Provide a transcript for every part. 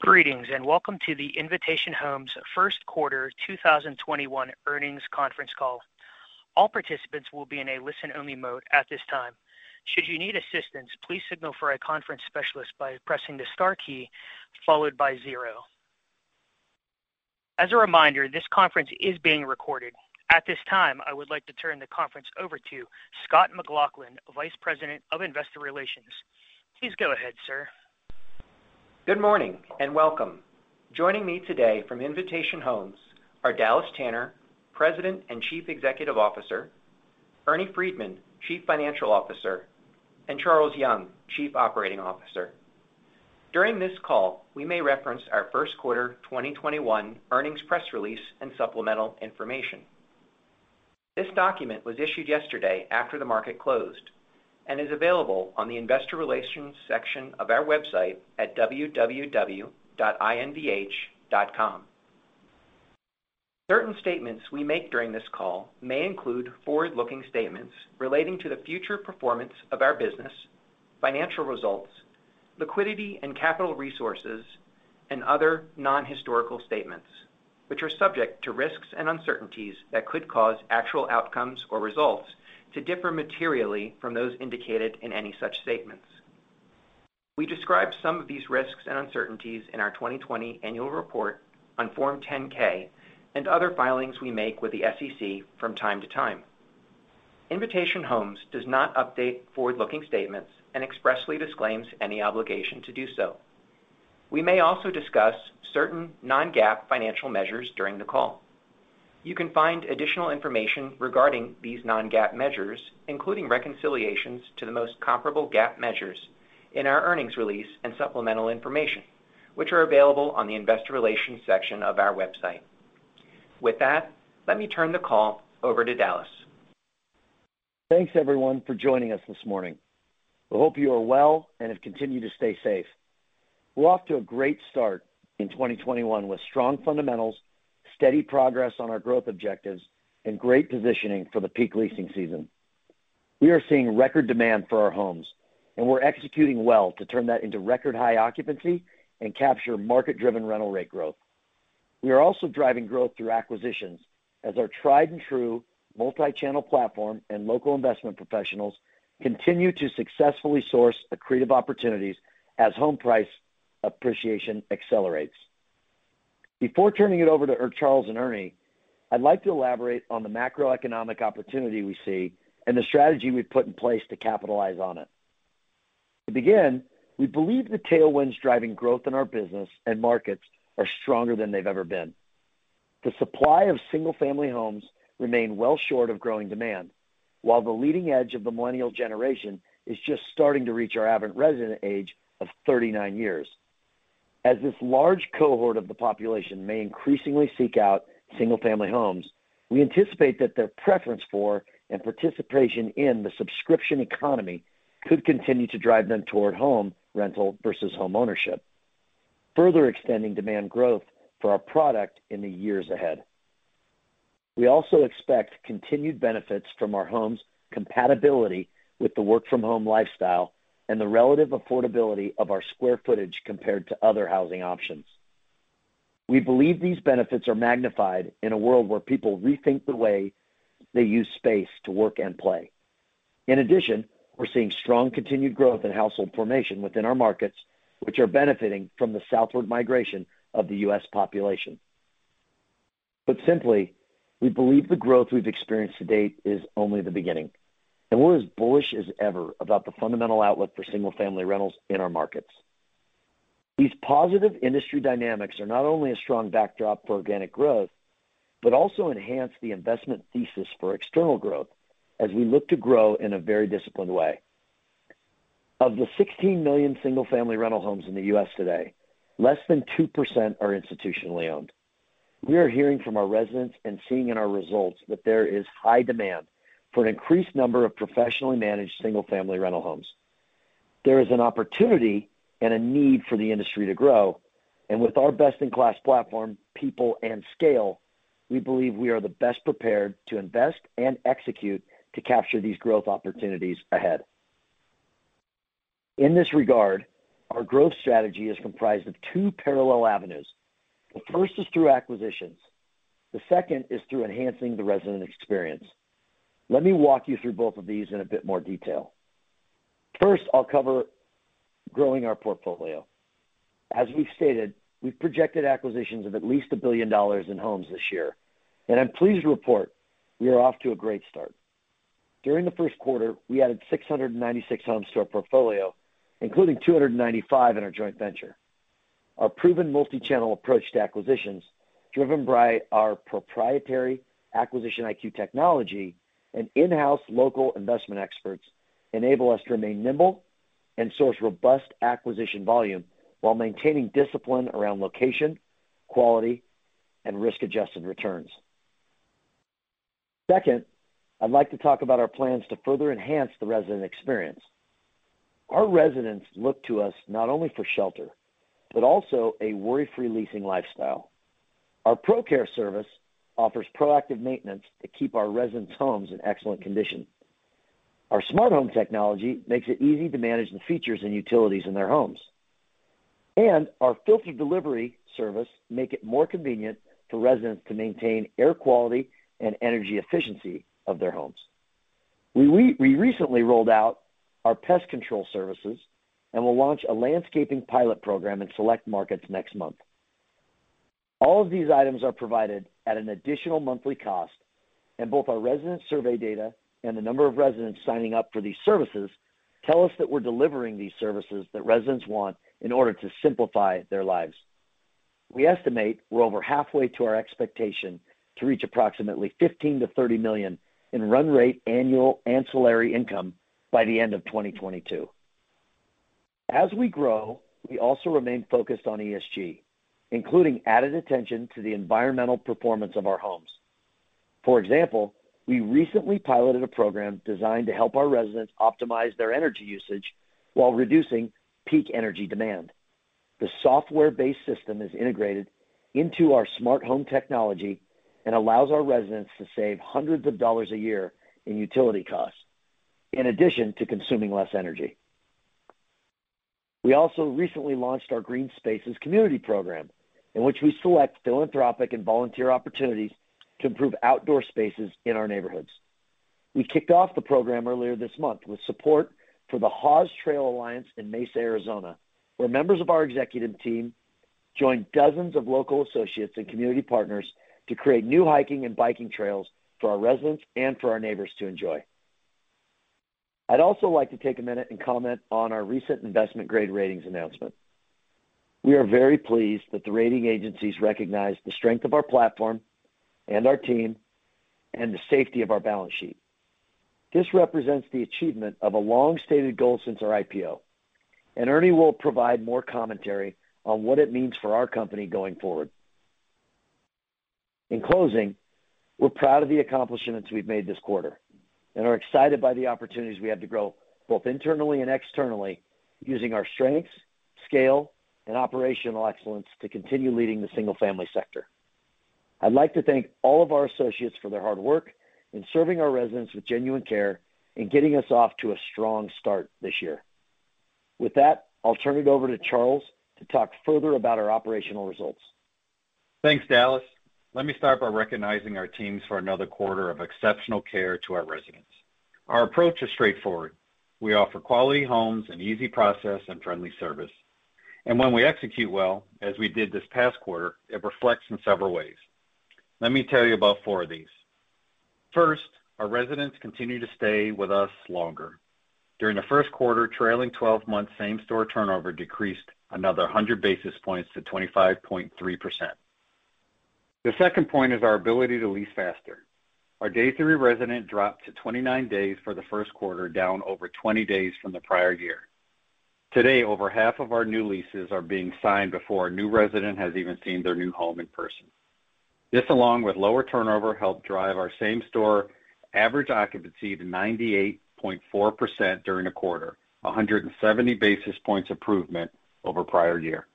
Greetings, welcome to the Invitation Homes First Quarter 2021 Earnings Conference Call. All participants will be in a listen-only mode at this time. Should you need assistance, please signal for a conference specialist by pressing the star key followed by zero. As a reminder, this conference is being recorded. At this time, I would like to turn the conference over to Scott McLaughlin, Vice President of Investor Relations. Please go ahead, sir. Good morning, and welcome. Joining me today from Invitation Homes are Dallas Tanner, President and Chief Executive Officer, Ernie Freedman, Chief Financial Officer, and Charles Young, Chief Operating Officer. During this call, we may reference our first quarter 2021 earnings press release and supplemental information. This document was issued yesterday after the market closed and is available on the investor relations section of our website at www.invh.com. Certain statements we make during this call may include forward-looking statements relating to the future performance of our business, financial results, liquidity and capital resources, and other non-historical statements, which are subject to risks and uncertainties that could cause actual outcomes or results to differ materially from those indicated in any such statements. We describe some of these risks and uncertainties in our 2020 annual report on Form 10-K and other filings we make with the SEC from time to time. Invitation Homes does not update forward-looking statements and expressly disclaims any obligation to do so. We may also discuss certain non-GAAP financial measures during the call. You can find additional information regarding these non-GAAP measures, including reconciliations to the most comparable GAAP measures, in our earnings release and supplemental information, which are available on the investor relations section of our website. With that, let me turn the call over to Dallas Tanner. Thanks everyone for joining us this morning. We hope you are well and have continued to stay safe. We're off to a great start in 2021 with strong fundamentals, steady progress on our growth objectives, and great positioning for the peak leasing season. We are seeing record demand for our homes, and we're executing well to turn that into record-high occupancy and capture market-driven rental rate growth. We are also driving growth through acquisitions as our tried-and-true multi-channel platform and local investment professionals continue to successfully source accretive opportunities as home price appreciation accelerates. Before turning it over to Charles and Ernie, I'd like to elaborate on the macroeconomic opportunity we see and the strategy we've put in place to capitalize on it. To begin, we believe the tailwinds driving growth in our business and markets are stronger than they've ever been. The supply of single-family homes remain well short of growing demand, while the leading edge of the millennial generation is just starting to reach our average resident age of 39 years. As this large cohort of the population may increasingly seek out single-family homes, we anticipate that their preference for and participation in the subscription economy could continue to drive them toward home rental versus homeownership, further extending demand growth for our product in the years ahead. We also expect continued benefits from our homes' compatibility with the work-from-home lifestyle and the relative affordability of our square footage compared to other housing options. We believe these benefits are magnified in a world where people rethink the way they use space to work and play. In addition, we're seeing strong continued growth in household formation within our markets, which are benefiting from the southward migration of the U.S. population. Put simply, we believe the growth we've experienced to date is only the beginning, and we're as bullish as ever about the fundamental outlook for single-family rentals in our markets. These positive industry dynamics are not only a strong backdrop for organic growth, but also enhance the investment thesis for external growth as we look to grow in a very disciplined way. Of the 16 million single-family rental homes in the U.S. today, less than 2% are institutionally owned. We are hearing from our residents and seeing in our results that there is high demand for an increased number of professionally managed single-family rental homes. There is an opportunity and a need for the industry to grow, and with our best-in-class platform, people, and scale, we believe we are the best prepared to invest and execute to capture these growth opportunities ahead. In this regard, our growth strategy is comprised of two parallel avenues. The first is through acquisitions. The second is through enhancing the resident experience. Let me walk you through both of these in a bit more detail. First, I'll cover growing our portfolio. As we've stated, we've projected acquisitions of at least $1 billion in homes this year, I'm pleased to report we are off to a great start. During the first quarter, we added 696 homes to our portfolio, including 295 in our joint venture. Our proven multi-channel approach to acquisitions, driven by our proprietary Acquisition IQ technology and in-house local investment experts, enable us to remain nimble and source robust acquisition volume while maintaining discipline around location, quality, and risk-adjusted returns. Second, I'd like to talk about our plans to further enhance the resident experience. Our residents look to us not only for shelter, but also a worry-free leasing lifestyle. Our ProCare service offers proactive maintenance to keep our residents' homes in excellent condition. Our smart home technology makes it easy to manage the features and utilities in their homes. Our filter delivery service make it more convenient to residents to maintain air quality and energy efficiency of their homes. We recently rolled out our pest control services and will launch a landscaping pilot program in select markets next month. All of these items are provided at an additional monthly cost, and both our resident survey data and the number of residents signing up for these services tell us that we're delivering these services that residents want in order to simplify their lives. We estimate we're over halfway to our expectation to reach approximately $15 million-$30 million in run rate annual ancillary income by the end of 2022. As we grow, we also remain focused on environmental, social, and governance, including added attention to the environmental performance of our homes. For example, we recently piloted a program designed to help our residents optimize their energy usage while reducing peak energy demand. The software-based system is integrated into our smart home technology and allows our residents to save hundreds of dollars a year in utility costs, in addition to consuming less energy. We also recently launched our Green Spaces community program, in which we select philanthropic and volunteer opportunities to improve outdoor spaces in our neighborhoods. We kicked off the program earlier this month with support for the Hawes Trail Alliance in Mesa, Arizona, where members of our executive team joined dozens of local associates and community partners to create new hiking and biking trails for our residents and for our neighbors to enjoy. I'd also like to take a minute and comment on our recent investment-grade ratings announcement. We are very pleased that the rating agencies recognize the strength of our platform and our team, and the safety of our balance sheet. This represents the achievement of a long-stated goal since our initial public offering, and Ernie will provide more commentary on what it means for our company going forward. In closing, we're proud of the accomplishments we've made this quarter and are excited by the opportunities we have to grow both internally and externally using our strengths, scale, and operational excellence to continue leading the single-family sector. I'd like to thank all of our associates for their hard work in serving our residents with genuine care and getting us off to a strong start this year. With that, I'll turn it over to Charles Young to talk further about our operational results. Thanks, Dallas. Let me start by recognizing our teams for another quarter of exceptional care to our residents. Our approach is straightforward. We offer quality homes, an easy process, and friendly service. When we execute well, as we did this past quarter, it reflects in several ways. Let me tell you about four of these. First, our residents continue to stay with us longer. During the first quarter, trailing 12-month same-store turnover decreased another 100 basis points to 25.3%. The second point is our ability to lease faster. Our days to re-resident dropped to 29 days for the first quarter, down over 20 days from the prior year. Today, over half of our new leases are being signed before a new resident has even seen their new home in person. This, along with lower turnover, helped drive our same-store average occupancy to 98.4% during the quarter, 170 basis points improvement over prior year.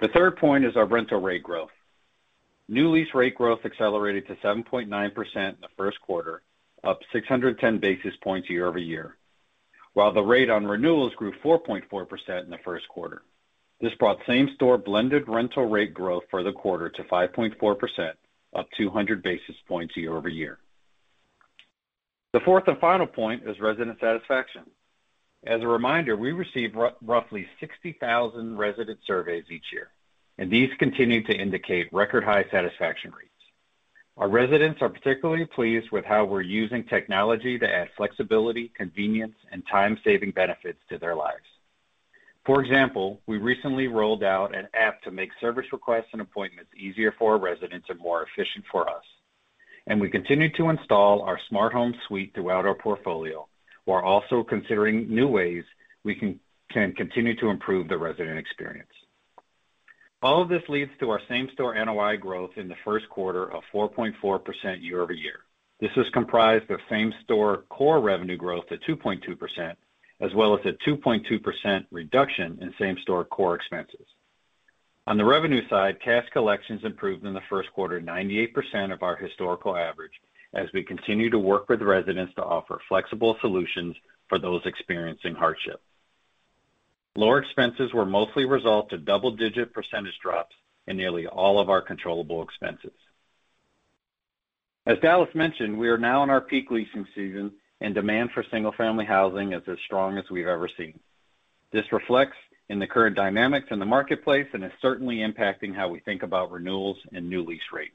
The third point is our rental rate growth. New lease rate growth accelerated to 7.9% in the first quarter, up 610 basis points year-over-year. The rate on renewals grew 4.4% in the first quarter. This brought same-store blended rental rate growth for the quarter to 5.4%, up 200 basis points year-over-year. The fourth and final point is resident satisfaction. As a reminder, we receive roughly 60,000 resident surveys each year, and these continue to indicate record-high satisfaction rates. Our residents are particularly pleased with how we're using technology to add flexibility, convenience, and time-saving benefits to their lives. For example, we recently rolled out an app to make service requests and appointments easier for our residents and more efficient for us. We continue to install our smart home suite throughout our portfolio. We're also considering new ways we can continue to improve the resident experience. All of this leads to our same-store NOI growth in the first quarter of 4.4% year-over-year. This is comprised of same-store core revenue growth at 2.2%, as well as a 2.2% reduction in same-store core expenses. On the revenue side, cash collections improved in the first quarter 98% of our historical average as we continue to work with residents to offer flexible solutions for those experiencing hardship. Lower expenses were mostly a result of double-digit percentage drops in nearly all of our controllable expenses. As Dallas mentioned, we are now in our peak leasing season, and demand for single-family housing is as strong as we've ever seen. This reflects in the current dynamics in the marketplace and is certainly impacting how we think about renewals and new lease rates.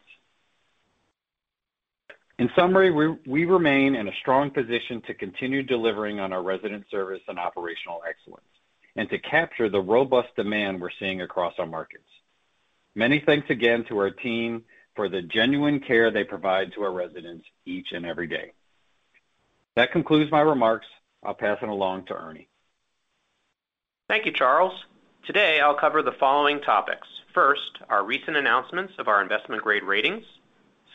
In summary, we remain in a strong position to continue delivering on our resident service and operational excellence and to capture the robust demand we're seeing across our markets. Many thanks again to our team for the genuine care they provide to our residents each and every day. That concludes my remarks. I'll pass it along to Ernie Freedman. Thank you, Charles. Today, I'll cover the following topics. First, our recent announcements of our investment-grade ratings.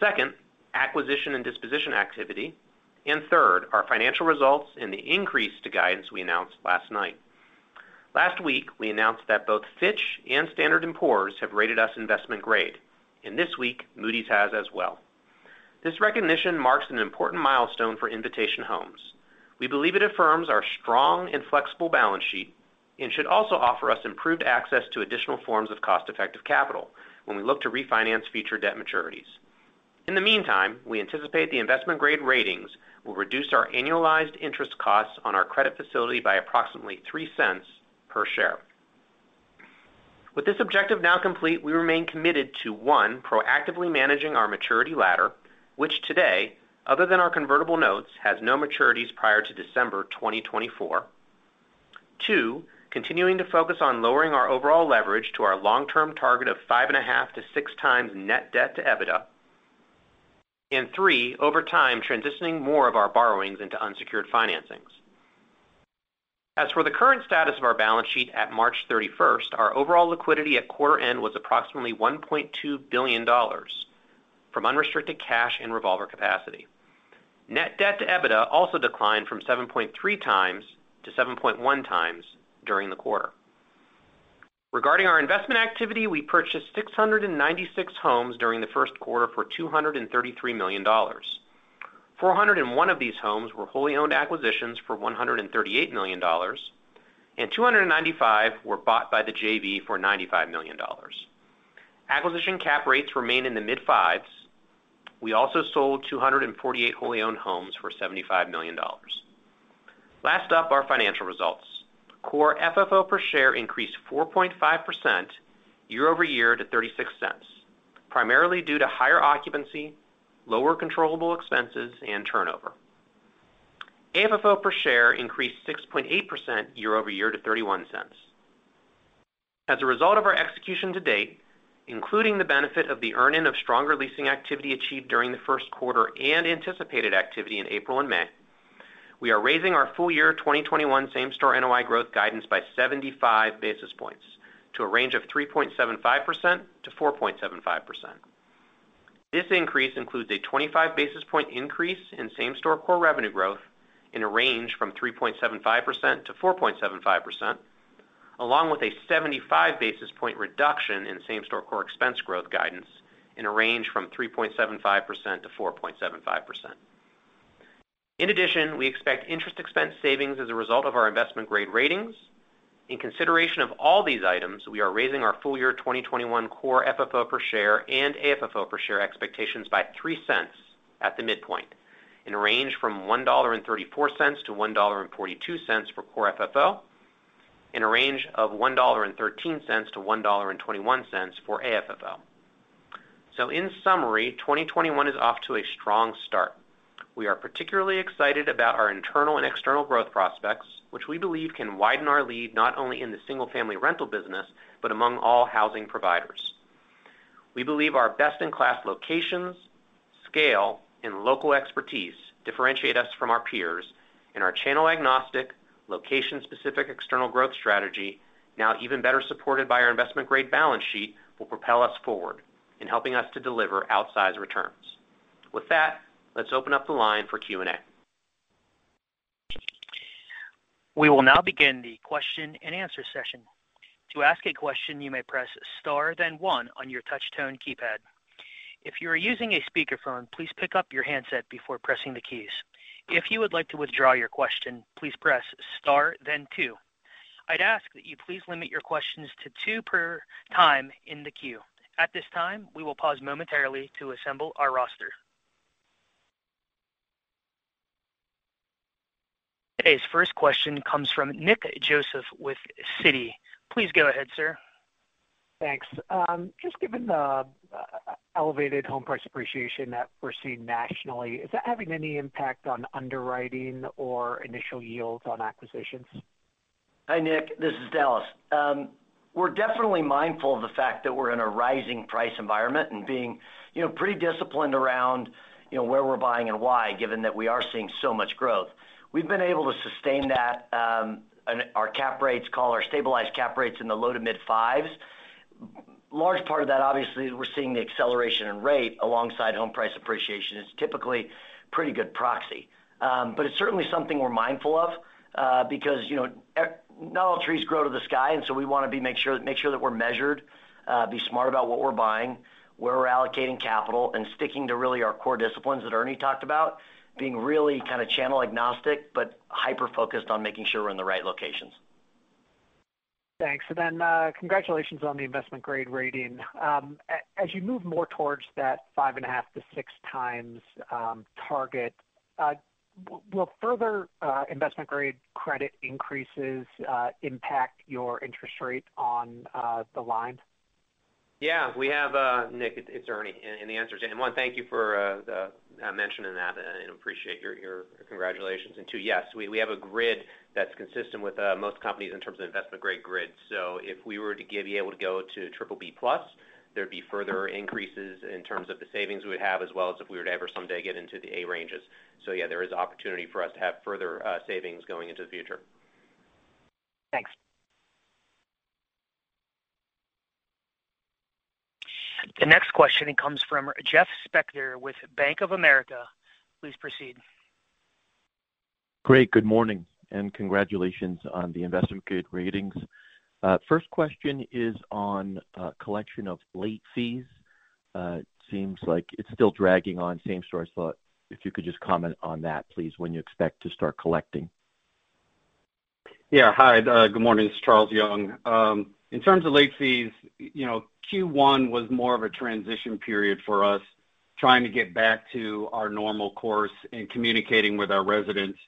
Second, acquisition and disposition activity. Third, our financial results and the increase to guidance we announced last night. Last week, we announced that both Fitch and Standard & Poor's have rated us investment-grade. This week, Moody's has as well. This recognition marks an important milestone for Invitation Homes. We believe it affirms our strong and flexible balance sheet and should also offer us improved access to additional forms of cost-effective capital when we look to refinance future debt maturities. In the meantime, we anticipate the investment-grade ratings will reduce our annualized interest costs on our credit facility by approximately $0.03 per share. With this objective now complete, we remain committed to, one, proactively managing our maturity ladder, which today, other than our convertible notes, has no maturities prior to December 2024. Two, continuing to focus on lowering our overall leverage to our long-term target of 5.5x-6x Net Debt to EBITDA. Three, over time, transitioning more of our borrowings into unsecured financings. As for the current status of our balance sheet at March 31st, our overall liquidity at quarter end was approximately $1.2 billion from unrestricted cash and revolver capacity. Net Debt to EBITDA also declined from 7.3x to 7.1x during the quarter. Regarding our investment activity, we purchased 696 homes during the first quarter for $233 million. 401 of these homes were wholly owned acquisitions for $138 million, and 295 were bought by the JV for $95 million. Acquisition cap rates remain in the mid-fives. We also sold 248 wholly owned homes for $75 million. Last up, our financial results. Core funds from operations per share increased 4.5% year-over-year to $0.36, primarily due to higher occupancy, lower controllable expenses, and turnover. Adjusted funds from operations per share increased 6.8% year-over-year to $0.31. As a result of our execution to date, including the benefit of the earn-in of stronger leasing activity achieved during the first quarter and anticipated activity in April and May, we are raising our full-year 2021 same store NOI growth guidance by 75 basis points to a range of 3.75%-4.75%. This increase includes a 25 basis points increase in same store core revenue growth in a range from 3.75%-4.75%, along with a 75 basis points reduction in same-store core expense growth guidance in a range from 3.75%-4.75%. In addition, we expect interest expense savings as a result of our investment-grade ratings. In consideration of all these items, we are raising our full-year 2021 core FFO per share and AFFO per share expectations by $0.03 at the midpoint, in a range from $1.34-$1.42 for core FFO, and a range of $1.13-$1.21 for AFFO. In summary, 2021 is off to a strong start. We are particularly excited about our internal and external growth prospects, which we believe can widen our lead not only in the single-family rental business but among all housing providers. We believe our best-in-class locations, scale, and local expertise differentiate us from our peers, and our channel-agnostic, location-specific external growth strategy, now even better supported by our investment-grade balance sheet, will propel us forward in helping us to deliver outsized returns. With that, let's open up the line for Q&A. We will now begin the question and answer session. To ask a question, you may press star then one on your touch tone keypad. If you are using a speakerphone, please pick up your handset before pressing the keys. If you would like to withdraw your question, please press star then two. I'd ask that you please limit your questions to two per time in the queue. At this time, we will pause momentarily to assemble our roster. Today's first question comes from Nick Joseph with Citi. Please go ahead, sir. Thanks. Just given the elevated home price appreciation that we're seeing nationally, is that having any impact on underwriting or initial yields on acquisitions? Hi, Nick. This is Dallas. We're definitely mindful of the fact that we're in a rising price environment and being pretty disciplined around where we're buying and why, given that we are seeing so much growth. We've been able to sustain that. Our cap rates call our stabilized cap rates in the low to mid-fives. Large part of that, obviously, we're seeing the acceleration in rate alongside home price appreciation is typically pretty good proxy. It's certainly something we're mindful of because not all trees grow to the sky, we want to make sure that we're measured, be smart about what we're buying, where we're allocating capital, and sticking to really our core disciplines that Ernie talked about. Being really kind of channel agnostic, hyper-focused on making sure we're in the right locations. Thanks. Congratulations on the investment-grade rating. As you move more towards that 5.5x-6x target, will further investment-grade credit increases impact your interest rate on the line? Yeah. Nick, it's Ernie. The answer is, one, thank you for mentioning that and appreciate your congratulations. Two, yes, we have a grid that's consistent with most companies in terms of investment-grade grid. If we were to be able to go to BBB+, there'd be further increases in terms of the savings we would have, as well as if we were to ever someday get into the A ranges. Yeah, there is opportunity for us to have further savings going into the future. Thanks. The next question comes from Jeff Spector with Bank of America. Please proceed. Great. Good morning, and congratulations on the investment-grade ratings. First question is on collection of late fees. Seems like it's still dragging on same story. If you could just comment on that, please, when you expect to start collecting. Hi, good morning. It's Charles Young. In terms of late fees, Q1 was more of a transition period for us, trying to get back to our normal course in communicating with our residents.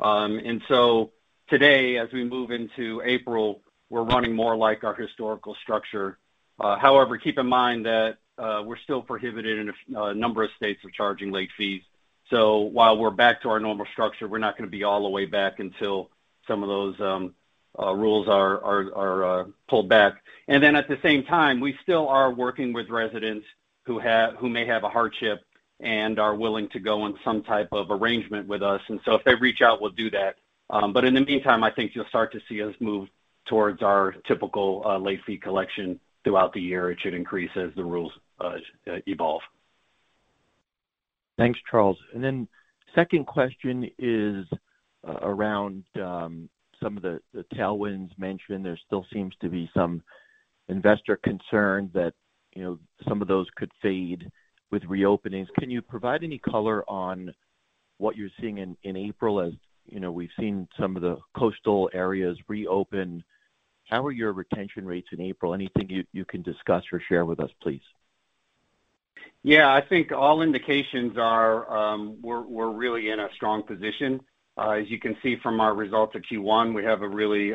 Today, as we move into April, we're running more like our historical structure. Keep in mind that we're still prohibited in a number of states of charging late fees. While we're back to our normal structure, we're not going to be all the way back until some of those rules are pulled back. At the same time, we still are working with residents who may have a hardship and are willing to go on some type of arrangement with us. If they reach out, we'll do that. In the meantime, I think you'll start to see us move towards our typical late fee collection throughout the year. It should increase as the rules evolve. Thanks, Charles. Second question is around some of the tailwinds mentioned. There still seems to be some investor concern that some of those could fade with reopenings. Can you provide any color on what you're seeing in April as we've seen some of the coastal areas reopen? How are your retention rates in April? Anything you can discuss or share with us, please? Yeah, I think all indications are we're really in a strong position. As you can see from our results of Q1, we have a really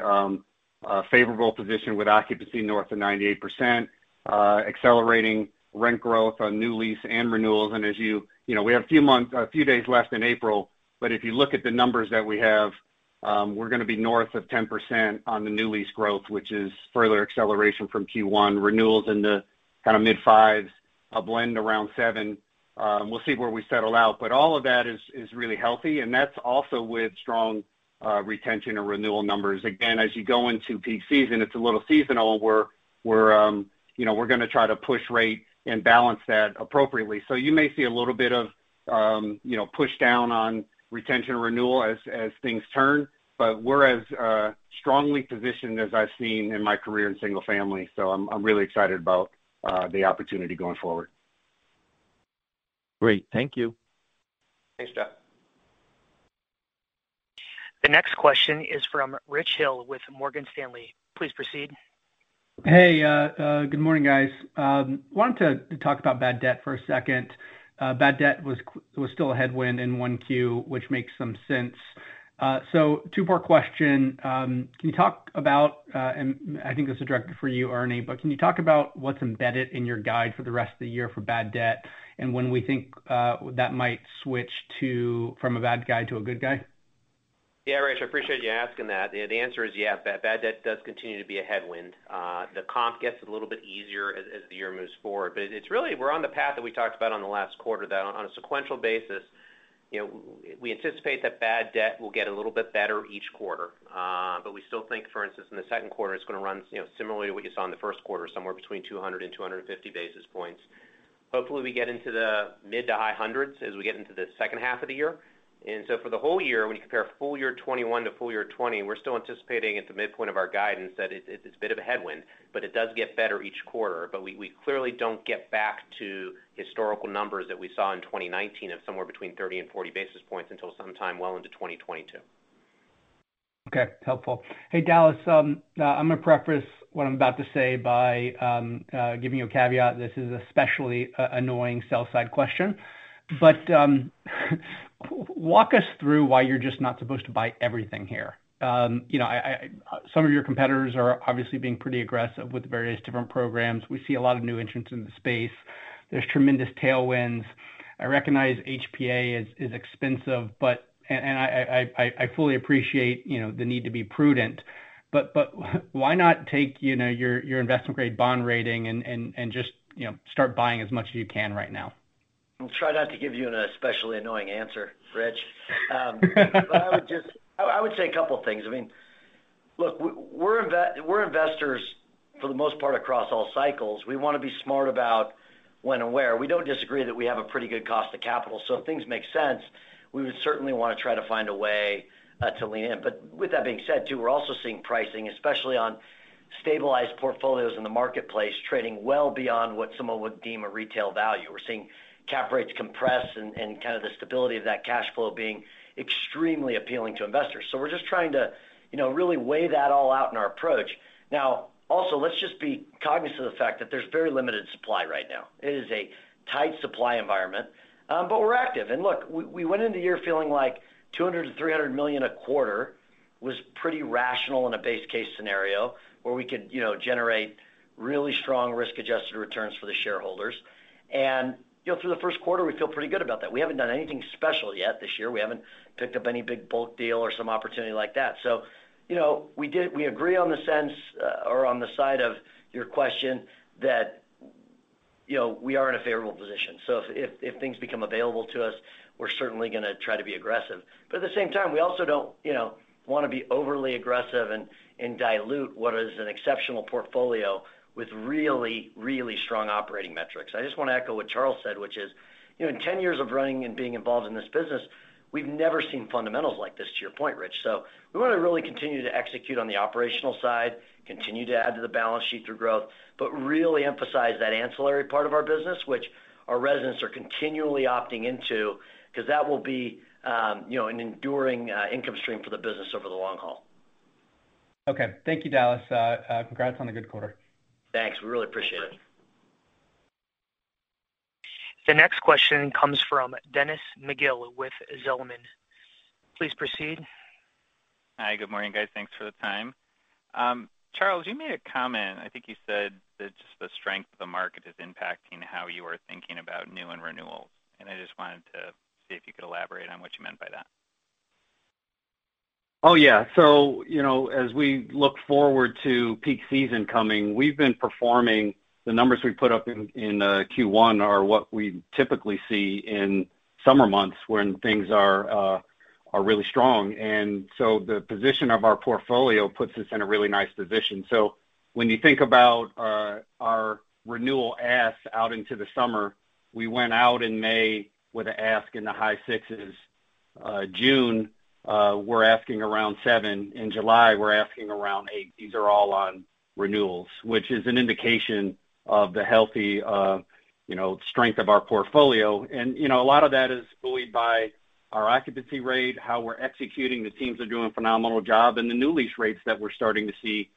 favorable position with occupancy north of 98%, accelerating rent growth on new lease and renewals. As you know, we have a few days left in April, but if you look at the numbers that we have, we're going to be north of 10% on the new lease growth, which is further acceleration from Q1 renewals in the kind of mid fives, a blend around seven. We'll see where we settle out, but all of that is really healthy, and that's also with strong retention and renewal numbers. Again, as you go into peak season, it's a little seasonal where we're going to try to push rate and balance that appropriately. You may see a little bit of push down on retention renewal as things turn, but we're as strongly positioned as I've seen in my career in single family. I'm really excited about the opportunity going forward. Great. Thank you. Thanks, Jeff. The next question is from Rich Hill with Morgan Stanley. Please proceed. Hey, good morning, guys. Wanted to talk about bad debt for a second. Bad debt was still a headwind in 1Q, which makes some sense. Two-part question. Can you talk about, and I think this is directed for you, Ernie, but can you talk about what's embedded in your guide for the rest of the year for bad debt, and when we think that might switch from a bad guy to a good guy? Yeah, Rich, I appreciate you asking that. The answer is yeah, bad debt does continue to be a headwind. The comp gets a little bit easier as the year moves forward. It's really we're on the path that we talked about on the last quarter, that on a sequential basis, we anticipate that bad debt will get a little bit better each quarter. We still think, for instance, in the second quarter, it's going to run similarly to what you saw in the first quarter, somewhere between 200 basis points-250 basis points. Hopefully, we get into the mid to high hundreds as we get into the second half of the year. For the whole year, when you compare full year 2021 to full year 2020, we're still anticipating at the midpoint of our guidance that it's a bit of a headwind, but it does get better each quarter. We clearly don't get back to historical numbers that we saw in 2019 of somewhere between 30 basis points and 40 basis points until sometime well into 2022. Okay. Helpful. Hey, Dallas, I'm going to preface what I'm about to say by giving you a caveat. This is an especially annoying sell-side question. Walk us through why you're just not supposed to buy everything here? Some of your competitors are obviously being pretty aggressive with various different programs. We see a lot of new entrants in the space. There's tremendous tailwinds. I recognize home price appreciation is expensive, and I fully appreciate the need to be prudent. Why not take your investment-grade bond rating and just start buying as much as you can right now? I'll try not to give you an especially annoying answer, Rich. I would say a couple of things. Look, we're investors for the most part across all cycles. We want to be smart about when and where. We don't disagree that we have a pretty good cost of capital. If things make sense, we would certainly want to try to find a way to lean in. With that being said, too, we're also seeing pricing, especially on stabilized portfolios in the marketplace, trading well beyond what someone would deem a retail value. We're seeing cap rates compress and kind of the stability of that cash flow being extremely appealing to investors. We're just trying to really weigh that all out in our approach. Also, let's just be cognizant of the fact that there's very limited supply right now. It is a tight supply environment. We're active. Look, we went into the year feeling like $200 million-$300 million a quarter was pretty rational in a base case scenario where we could generate really strong risk-adjusted returns for the shareholders. Through the first quarter, we feel pretty good about that. We haven't done anything special yet this year. We haven't picked up any big bulk deal or some opportunity like that. We agree on the sense or on the side of your question that we are in a favorable position. If things become available to us, we're certainly going to try to be aggressive. At the same time, we also don't want to be overly aggressive and dilute what is an exceptional portfolio with really, really strong operating metrics. I just want to echo what Charles said, which is, in 10 years of running and being involved in this business, we've never seen fundamentals like this, to your point, Rich. We want to really continue to execute on the operational side, continue to add to the balance sheet through growth, but really emphasize that ancillary part of our business, which our residents are continually opting into, because that will be an enduring income stream for the business over the long haul. Okay. Thank you, Dallas. Congrats on the good quarter. Thanks. We really appreciate it. The next question comes from Dennis McGill with Zelman. Please proceed. Hi, good morning, guys. Thanks for the time. Charles, you made a comment, I think you said that just the strength of the market is impacting how you are thinking about new and renewals, and I just wanted to see if you could elaborate on what you meant by that? Oh, yeah. As we look forward to peak season coming, we've been performing. The numbers we put up in Q1 are what we typically see in summer months when things are really strong. The position of our portfolio puts us in a really nice position. When you think about our renewal asks out into the summer, we went out in May with an ask in the high sixes. June, we're asking around 7%. In July, we're asking around 8%. These are all on renewals, which is an indication of the healthy strength of our portfolio. A lot of that is buoyed by our occupancy rate, how we're executing. The teams are doing a phenomenal job, and the new lease rates that we're starting to see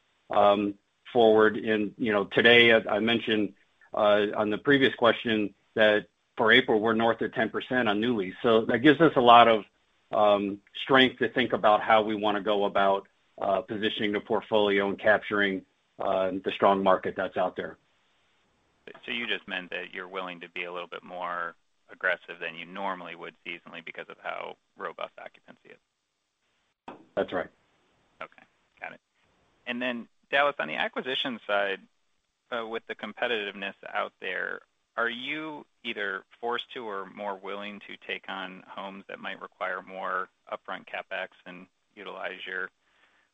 forward in. Today, I mentioned on the previous question that for April, we're north of 10% on new lease. That gives us a lot of strength to think about how we want to go about positioning the portfolio and capturing the strong market that's out there. You just meant that you're willing to be a little bit more aggressive than you normally would seasonally because of how robust occupancy is? That's right. Okay. Got it. Dallas, on the acquisition side, with the competitiveness out there, are you either forced to or more willing to take on homes that might require more upfront CapEx and utilize your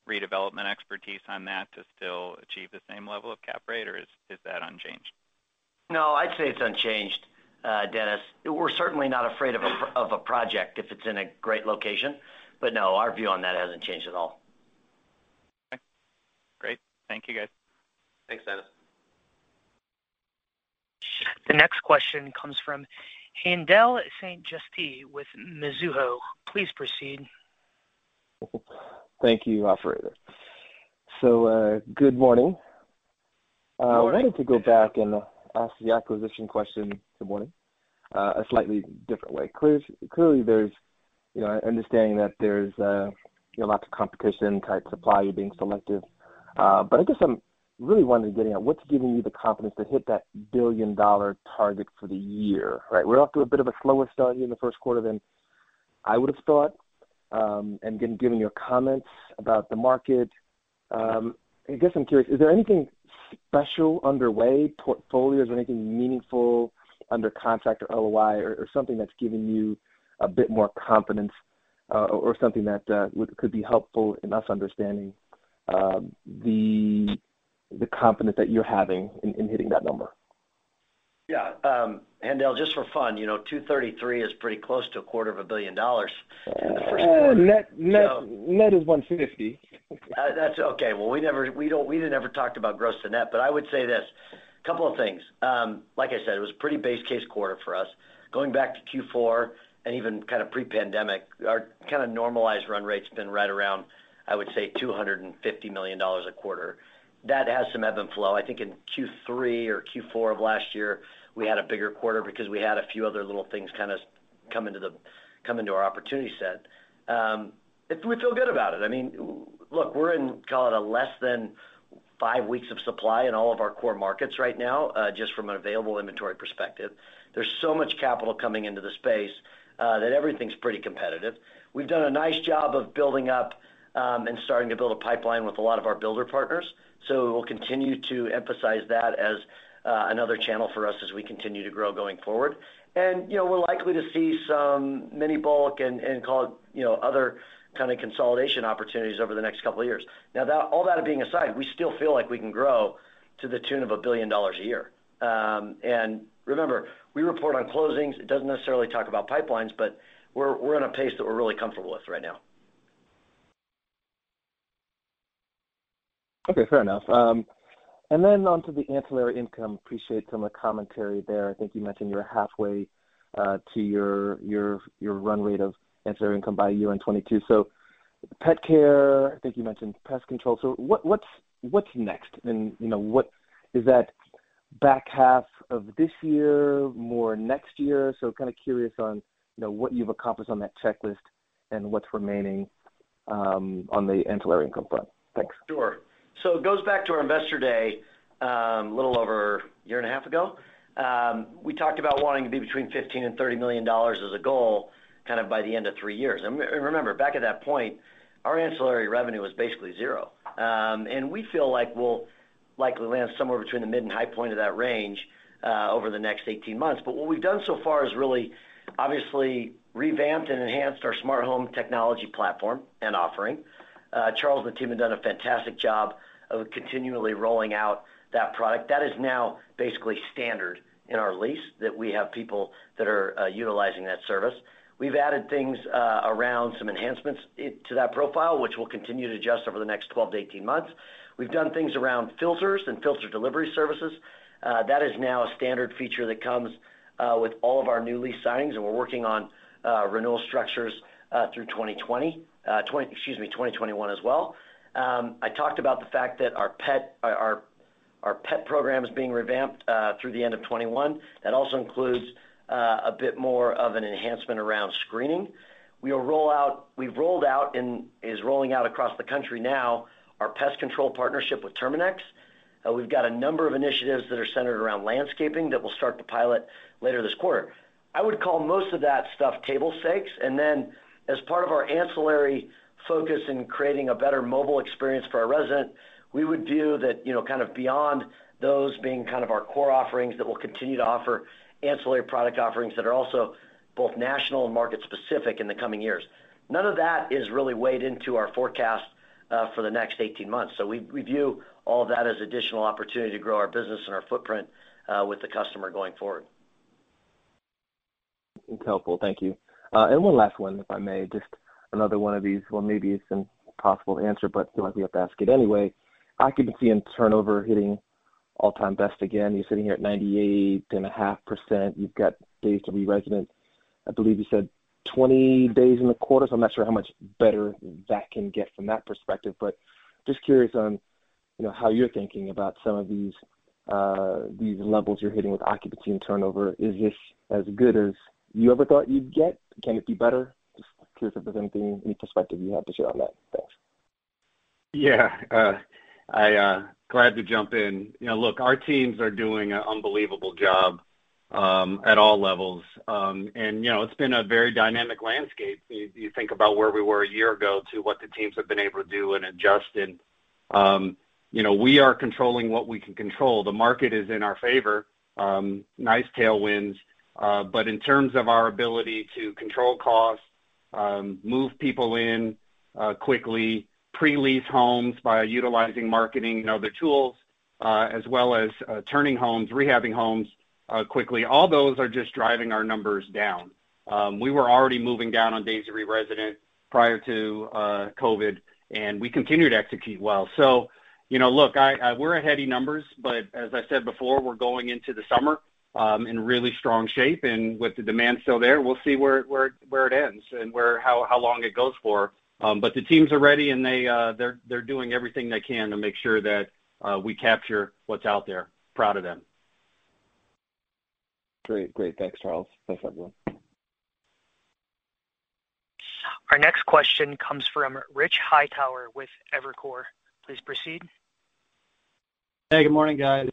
redevelopment expertise on that to still achieve the same level of cap rate, or is that unchanged? No, I'd say it's unchanged, Dennis. We're certainly not afraid of a project if it's in a great location. No, our view on that hasn't changed at all. Okay, great. Thank you, guys. Thanks, Dennis. The next question comes from Haendel St. Juste with Mizuho. Please proceed. Thank you, operator. Good morning. Morning. I wanted to go back and ask the acquisition question a slightly different way. Clearly, understanding that there's lots of competition, tight supply, you're being selective. I guess I'm really wanting to get at what's giving you the confidence to hit that billion-dollar target for the year, right? We're off to a bit of a slower start here in the first quarter than I would've thought. Given your comments about the market, I guess I'm curious, is there anything special underway, portfolios or anything meaningful under contract or letter of intent or something that's giving you a bit more confidence or something that could be helpful in us understanding the confidence that you're having in hitting that number? Yeah. Haendel, just for fun, $233 million is pretty close to a $250 million in the first quarter. Oh, net is $150 million. That's okay. Well, we never talked about gross to net, but I would say this, a couple of things. Like I said, it was a pretty base case quarter for us. Going back to Q4 and even kind of pre-pandemic, our kind of normalized run rate's been right around, I would say, $250 million a quarter. That has some ebb and flow. I think in Q3 or Q4 of last year, we had a bigger quarter because we had a few other little things kind of come into our opportunity set. We feel good about it. Look, we're in, call it a less than five weeks of supply in all of our core markets right now, just from an available inventory perspective. There's so much capital coming into the space that everything's pretty competitive. We've done a nice job of building up and starting to build a pipeline with a lot of our builder partners. We'll continue to emphasize that as another channel for us as we continue to grow going forward. We're likely to see some mini bulk and call it other kind of consolidation opportunities over the next couple of years. All that being aside, we still feel like we can grow to the tune of $1 billion a year. Remember, we report on closings. It doesn't necessarily talk about pipelines, but we're on a pace that we're really comfortable with right now. Okay, fair enough. Then onto the ancillary income. Appreciate some of the commentary there. I think you mentioned you were halfway to your run rate of ancillary income by year-end 2022. Pet care, I think you mentioned pest control. What's next? Is that back half of this year, more next year? Kind of curious on what you've accomplished on that checklist and what's remaining on the ancillary income front. Thanks. Sure. It goes back to our investor day, a little over a year and a half ago. We talked about wanting to be between $15 million and $30 million as a goal kind of by the end of three years. Remember, back at that point, our ancillary revenue was basically zero. We feel like we'll likely land somewhere between the mid and high point of that range over the next 18 months. What we've done so far is really obviously revamped and enhanced our smart home technology platform and offering. Charles and the team have done a fantastic job of continually rolling out that product. That is now basically standard in our lease that we have people that are utilizing that service. We've added things around some enhancements to that profile, which we'll continue to adjust over the next 12-18 months. We've done things around filters and filter delivery services. That is now a standard feature that comes with all of our new lease signings, and we're working on renewal structures through 2021 as well. I talked about the fact that our pet program is being revamped through the end of 2021. That also includes a bit more of an enhancement around screening. We've rolled out, and is rolling out across the country now, our pest control partnership with Terminix. We've got a number of initiatives that are centered around landscaping that we'll start to pilot later this quarter. I would call most of that stuff table stakes. Then as part of our ancillary focus in creating a better mobile experience for our resident, we would do that kind of beyond those being kind of our core offerings that we'll continue to offer ancillary product offerings that are also both national and market specific in the coming years. None of that is really weighed into our forecast for the next 18 months. We view all of that as additional opportunity to grow our business and our footprint with the customer going forward. That's helpful. Thank you. One last one, if I may, just another one of these. Well, maybe it's an impossible answer, but feel like we have to ask it anyway. Occupancy and turnover hitting all-time best again. You're sitting here at 98.5%. You've got days to re-resident, I believe you said 20 days in the quarter, so I'm not sure how much better that can get from that perspective. Just curious on how you're thinking about some of these levels you're hitting with occupancy and turnover. Is this as good as you ever thought you'd get? Can it be better? Just curious if there's anything, any perspective you have to share on that. Thanks. Glad to jump in. Look, our teams are doing an unbelievable job at all levels. It's been a very dynamic landscape. You think about where we were one year ago to what the teams have been able to do and adjust and we are controlling what we can control. The market is in our favor. Nice tailwinds. In terms of our ability to control costs, move people in quickly, pre-lease homes by utilizing marketing and other tools, as well as turning homes, rehabbing homes quickly, all those are just driving our numbers down. We were already moving down on days to re-resident prior to COVID, and we continued to execute well. Look, we're at heady numbers, but as I said before, we're going into the summer in really strong shape and with the demand still there. We'll see where it ends and how long it goes for. The teams are ready, and they're doing everything they can to make sure that we capture what's out there. Proud of them. Great. Thanks, Charles. Thanks, everyone. Our next question comes from Richard Hightower with Evercore. Please proceed. Hey, good morning, guys.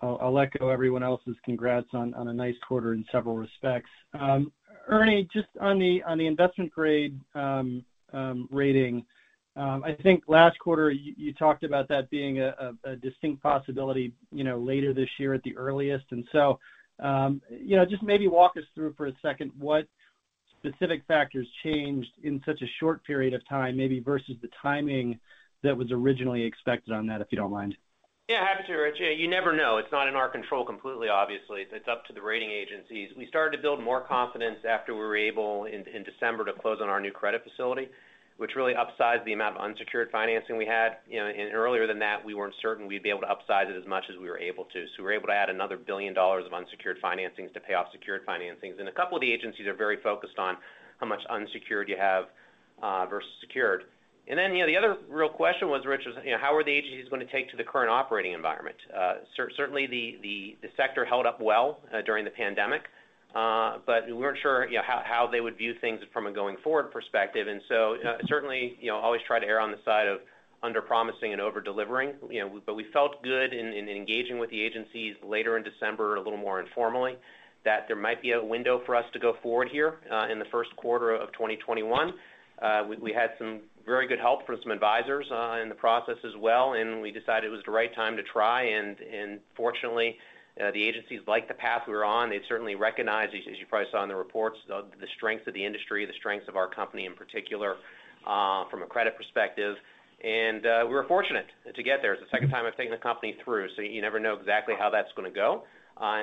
I'll echo everyone else's congrats on a nice quarter in several respects. Ernie, just on the investment grade rating. I think last quarter you talked about that being a distinct possibility later this year at the earliest. Just maybe walk us through for a second what specific factors changed in such a short period of time, maybe versus the timing that was originally expected on that, if you don't mind. Yeah. Happy to, Rich. You never know. It's not in our control completely, obviously. It's up to the rating agencies. We started to build more confidence after we were able in December to close on our new credit facility, which really upsized the amount of unsecured financing we had. Earlier than that, we weren't certain we'd be able to upsize it as much as we were able to. We were able to add another $1 billion of unsecured financings to pay off secured financings. A couple of the agencies are very focused on how much unsecured you have versus secured. The other real question was, Rich, is how are the agencies going to take to the current operating environment? Certainly the sector held up well during the pandemic. We weren't sure how they would view things from a going forward perspective. Certainly, always try to err on the side of under-promising and over-delivering. We felt good in engaging with the agencies later in December, a little more informally, that there might be a window for us to go forward here in the first quarter of 2021. We had some very good help from some advisors in the process as well, and we decided it was the right time to try, and fortunately, the agencies liked the path we were on. They certainly recognize, as you probably saw in the reports, the strength of the industry, the strength of our company in particular from a credit perspective. We were fortunate to get there. It's the second time I've taken the company through, so you never know exactly how that's going to go.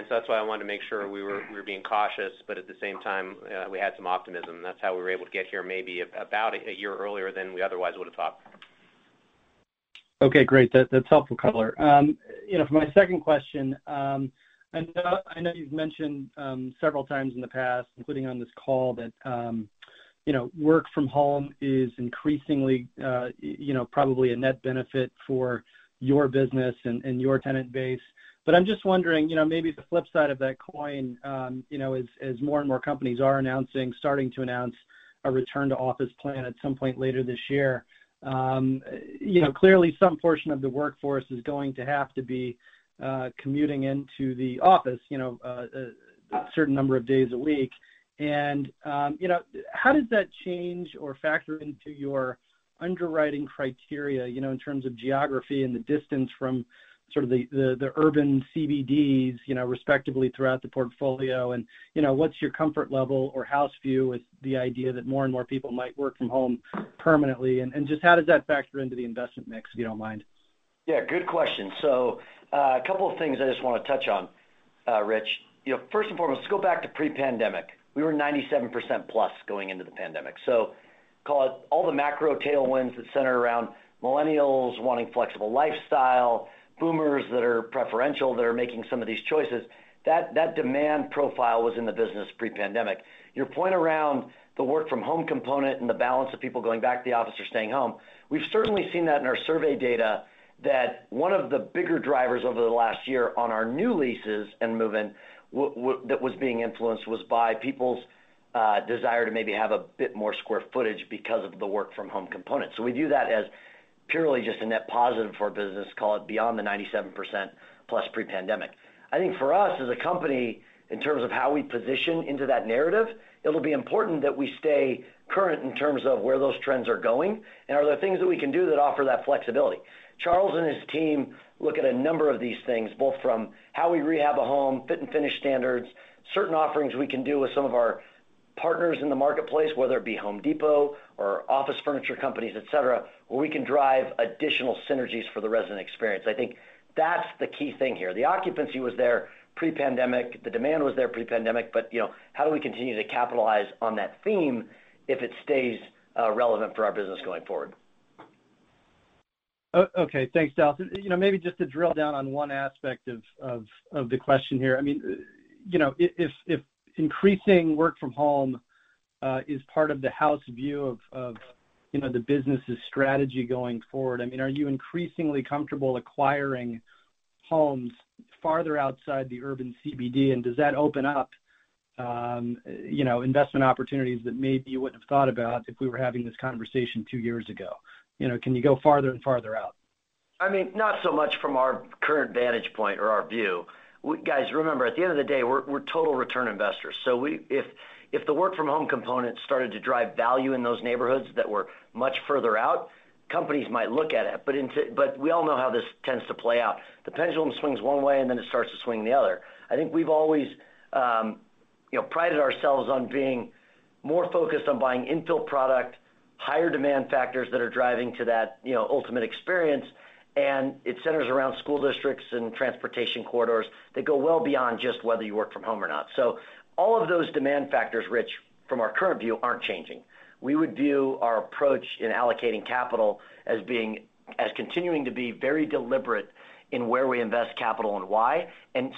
That's why I wanted to make sure we were being cautious, but at the same time, we had some optimism. That's how we were able to get here maybe about a year earlier than we otherwise would have thought. Okay, great. That's helpful color. For my second question, I know you've mentioned several times in the past, including on this call, that work from home is increasingly probably a net benefit for your business and your tenant base. I'm just wondering, maybe the flip side of that coin, as more and more companies are announcing, starting to announce a return to office plan at some point later this year. Clearly some portion of the workforce is going to have to be commuting into the office a certain number of days a week. How does that change or factor into your underwriting criteria in terms of geography and the distance from sort of the urban central business districts respectively throughout the portfolio? What's your comfort level or house view with the idea that more and more people might work from home permanently, and just how does that factor into the investment mix, if you don't mind? Yeah, good question. A couple of things I just want to touch on, Rich. First and foremost, go back to pre-pandemic. We were 97%+ going into the pandemic. Call it all the macro tailwinds that center around millennials wanting flexible lifestyle, boomers that are preferential, that are making some of these choices. That demand profile was in the business pre-pandemic. Your point around the work from home component and the balance of people going back to the office or staying home, we've certainly seen that in our survey data, that one of the bigger drivers over the last year on our new leases and move-in, that was being influenced was by people's desire to maybe have a bit more square footage because of the work from home component. We view that as purely just a net positive for business, call it beyond the 97%+ pre-pandemic. I think for us as a company, in terms of how we position into that narrative, it'll be important that we stay current in terms of where those trends are going and are there things that we can do that offer that flexibility. Charles and his team look at a number of these things, both from how we rehab a home, fit and finish standards, certain offerings we can do with some of our partners in the marketplace, whether it be The Home Depot or office furniture companies, et cetera, where we can drive additional synergies for the resident experience. I think that's the key thing here. The occupancy was there pre-pandemic. The demand was there pre-pandemic. How do we continue to capitalize on that theme if it stays relevant for our business going forward? Okay. Thanks, Dallas. Maybe just to drill down on one aspect of the question here. If increasing work from home is part of the house view of the business's strategy going forward, are you increasingly comfortable acquiring homes farther outside the urban CBD, and does that open up investment opportunities that maybe you wouldn't have thought about if we were having this conversation two years ago? Can you go farther and farther out? Not so much from our current vantage point or our view. Guys, remember, at the end of the day, we're total return investors. If the work from home component started to drive value in those neighborhoods that were much further out, companies might look at it. We all know how this tends to play out. The pendulum swings one way, and then it starts to swing the other. I think we've always prided ourselves on being more focused on buying infill product, higher demand factors that are driving to that ultimate experience. It centers around school districts and transportation corridors that go well beyond just whether you work from home or not. All of those demand factors, Rich, from our current view, aren't changing. We would view our approach in allocating capital as continuing to be very deliberate in where we invest capital and why.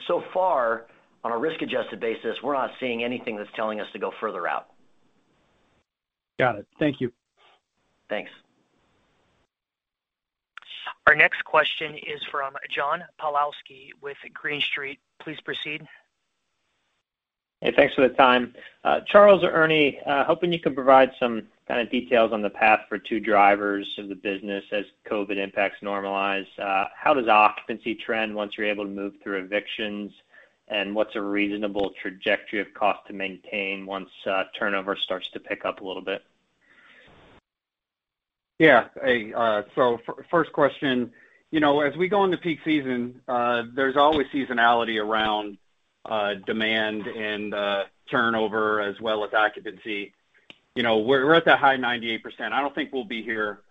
So far, on a risk-adjusted basis, we're not seeing anything that's telling us to go further out. Got it. Thank you. Thanks. Our next question is from John Pawlowski with Green Street. Please proceed. Hey, thanks for the time. Charles or Ernie, hoping you can provide some kind of details on the path for two drivers of the business as COVID impacts normalize. How does occupancy trend once you're able to move through evictions, and what's a reasonable trajectory of cost to maintain once turnover starts to pick up a little bit? Yeah. First question. As we go into peak season, there's always seasonality around demand and turnover as well as occupancy. We're at that high 98%. I don't think we'll be here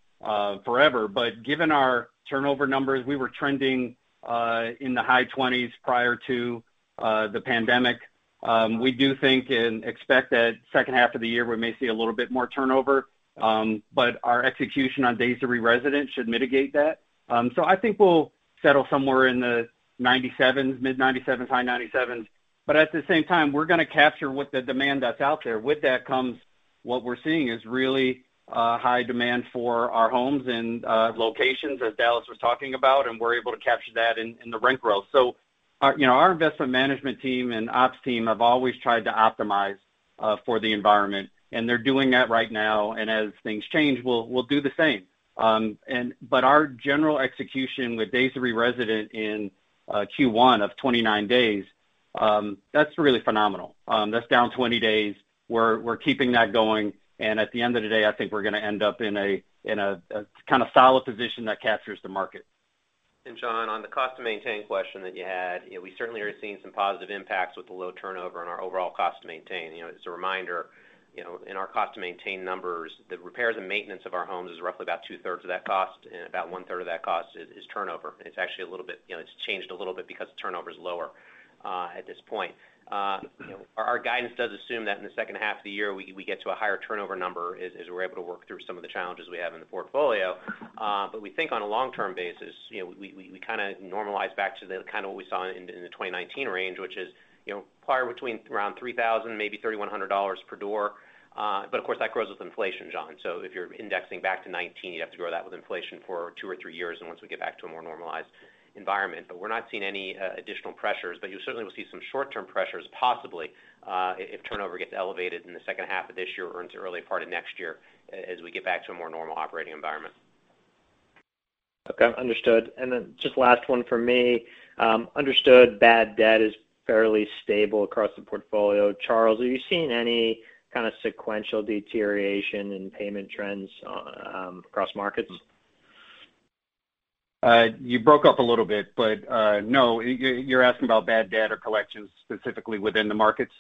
forever, given our turnover numbers, we were trending in the high 20s prior to the pandemic. We do think and expect that second half of the year we may see a little bit more turnover. Our execution on days to re-resident should mitigate that. I think we'll settle somewhere in the 97,%, mid 97%, high 97%. At the same time, we're going to capture what the demand that's out there. With that comes what we're seeing is really high demand for our homes and locations as Dallas was talking about, we're able to capture that in the rent growth. Our investment management team and ops team have always tried to optimize for the environment, and they're doing that right now, and as things change, we'll do the same. Our general execution with days to re-resident in Q1 of 29 days, that's really phenomenal. That's down 20 days. We're keeping that going, and at the end of the day, I think we're going to end up in a kind of solid position that captures the market. John, on the cost to maintain question that you had, we certainly are seeing some positive impacts with the low turnover and our overall cost to maintain. As a reminder, in our cost to maintain numbers, the repairs and maintenance of our homes is roughly about two-thirds of that cost, and about one-third of that cost is turnover. It's changed a little bit because the turnover is lower at this point. Our guidance does assume that in the second half of the year, we get to a higher turnover number as we're able to work through some of the challenges we have in the portfolio. We think on a long-term basis, we kind of normalize back to kind of what we saw in the 2019 range, which is probably between around $3,000, maybe $3,100 per door. Of course, that grows with inflation, John. If you're indexing back to 2019, you'd have to grow that with inflation for two or three years and once we get back to a more normalized environment. We're not seeing any additional pressures, but you certainly will see some short-term pressures possibly, if turnover gets elevated in the second half of this year or into early part of next year as we get back to a more normal operating environment. Okay. Understood. Just last one from me. Understood bad debt is fairly stable across the portfolio. Charles, are you seeing any kind of sequential deterioration in payment trends across markets? You broke up a little bit, but no. You're asking about bad debt or collections specifically within the markets?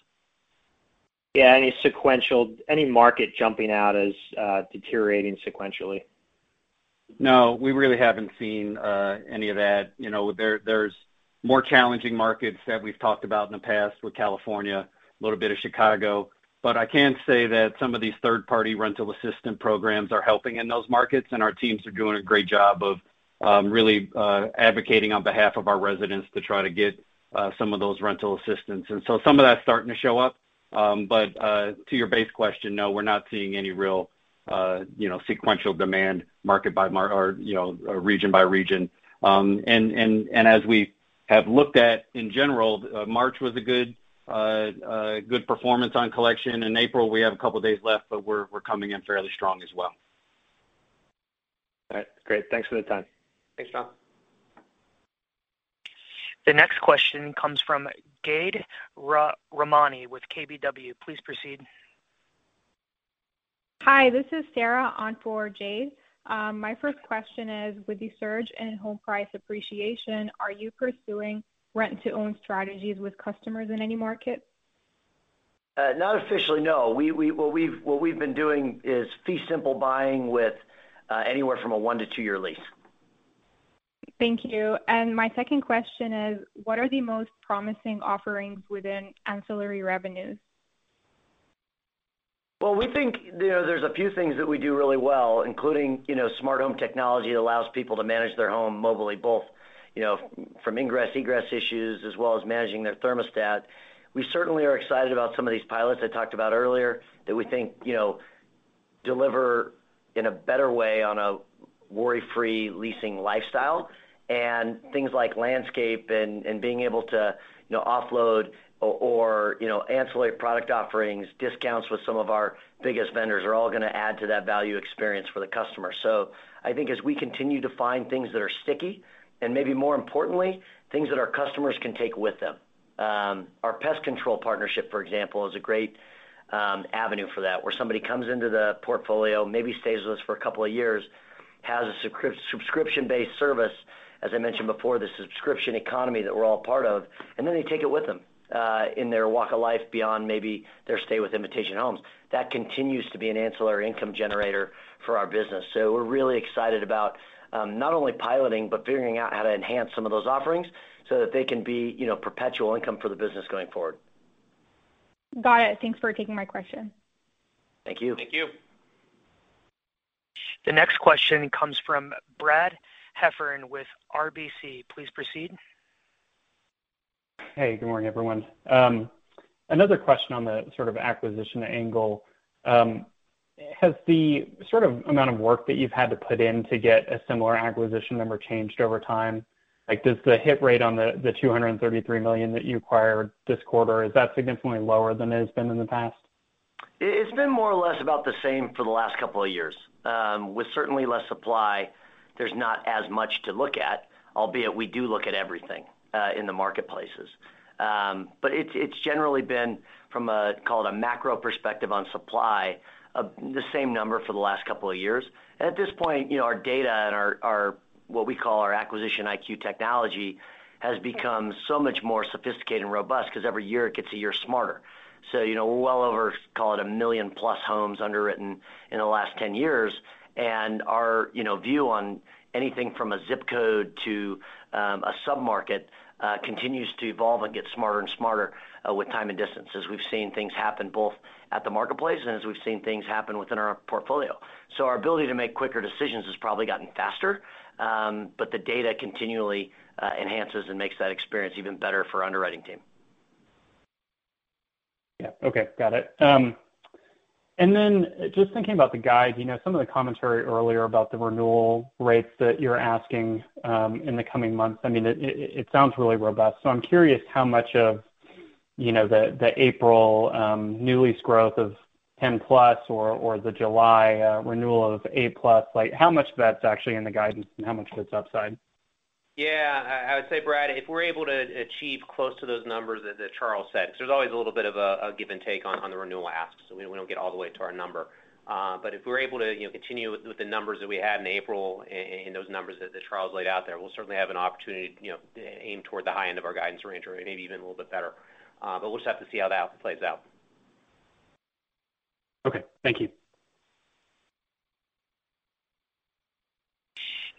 Yeah, any sequential, any market jumping out as deteriorating sequentially? No, we really haven't seen any of that. There's more challenging markets that we've talked about in the past with California, a little bit of Chicago. I can say that some of these third-party rental assistance programs are helping in those markets, and our teams are doing a great job of really advocating on behalf of our residents to try to get some of those rental assistance. Some of that's starting to show up. To your base question, no, we're not seeing any real sequential demand market or region by region. As we have looked at in general, March was a good performance on collection. In April, we have a couple of days left, but we're coming in fairly strong as well. All right. Great. Thanks for the time. Thanks, John. The next question comes from Jade Rahmani with KBW. Please proceed. Hi, this is Sarah Shiffman on for Jade. My first question is, with the surge in home price appreciation, are you pursuing rent-to-own strategies with customers in any market? Not officially, no. What we've been doing is fee-simple buying with anywhere from a one to two-year lease. Thank you. My second question is, what are the most promising offerings within ancillary revenues? We think there's a few things that we do really well, including smart home technology that allows people to manage their home mobilely, both from ingress, egress issues, as well as managing their thermostat. We certainly are excited about some of these pilots I talked about earlier that we think deliver in a better way on a worry-free leasing lifestyle. Things like landscape and being able to offload or ancillary product offerings, discounts with some of our biggest vendors are all going to add to that value experience for the customer. I think as we continue to find things that are sticky, and maybe more importantly, things that our customers can take with them. Our pest control partnership, for example, is a great avenue for that. Where somebody comes into the portfolio, maybe stays with us for a couple of years, has a subscription-based service, as I mentioned before, the subscription economy that we're all part of, and then they take it with them in their walk of life beyond maybe their stay with Invitation Homes. That continues to be an ancillary income generator for our business. We're really excited about not only piloting, but figuring out how to enhance some of those offerings so that they can be perpetual income for the business going forward. Got it. Thanks for taking my question. Thank you. Thank you. The next question comes from Brad Heffern with RBC. Please proceed. Hey, good morning, everyone. Another question on the sort of acquisition angle. Has the sort of amount of work that you've had to put in to get a similar acquisition number changed over time? Like, does the hit rate on the $233 million that you acquired this quarter, is that significantly lower than it has been in the past? It's been more or less about the same for the last couple of years. With certainly less supply, there's not as much to look at, albeit we do look at everything in the marketplaces. It's generally been from a, call it a macro perspective on supply, the same number for the last couple of years. At this point, our data and our, what we call our acquisition IQ technology, has become so much more sophisticated and robust because every year it gets a year smarter. Well over, call it a million-plus homes underwritten in the last 10 years. Our view on anything from a ZIP code to a sub-market continues to evolve and get smarter and smarter with time and distance as we've seen things happen both at the marketplace and as we've seen things happen within our portfolio. Our ability to make quicker decisions has probably gotten faster, but the data continually enhances and makes that experience even better for our underwriting team. Yeah. Okay. Got it. Just thinking about the guide, some of the commentary earlier about the renewal rates that you're asking in the coming months. It sounds really robust. I'm curious how much of the April new lease growth of 10+ or the July renewal of 8+, like how much of that's actually in the guidance and how much of it's upside? Yeah. I would say, Brad, if we're able to achieve close to those numbers that Charles said, because there's always a little bit of a give and take on the renewal asks, so we don't get all the way to our number. If we're able to continue with the numbers that we had in April and those numbers that Charles laid out there, we'll certainly have an opportunity to aim toward the high end of our guidance range or maybe even a little bit better. We'll just have to see how that plays out. Okay. Thank you.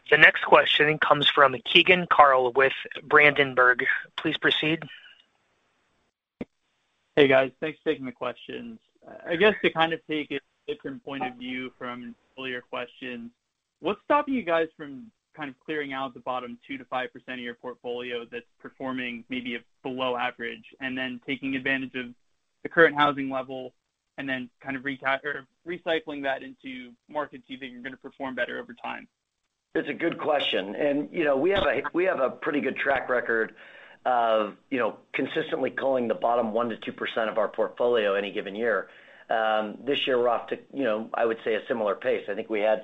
The next question comes from Keegan Carl with Berenberg. Please proceed. Hey, guys. Thanks for taking the questions. I guess to kind of take a different point of view from earlier questions, what's stopping you guys from kind of clearing out the bottom 2%-5% of your portfolio that's performing maybe below average, and then taking advantage of the current housing level and then kind of recycling that into markets you think are going to perform better over time? It's a good question. We have a pretty good track record of consistently culling the bottom 1%-2% of our portfolio any given year. This year we're off to, I would say, a similar pace. I think we had,